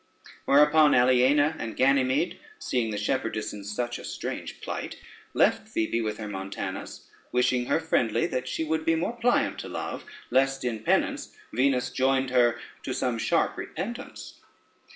Whereupon Aliena and Ganymede, seeing the shepherdess in such a strange plight, left Phoebe with her Montanus, wishing her friendly that she would be more pliant to Love, lest in penance Venus joined her to some sharp repentance.